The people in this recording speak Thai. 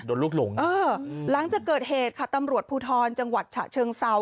ลูกหลงเออหลังจากเกิดเหตุค่ะตำรวจภูทรจังหวัดฉะเชิงเซา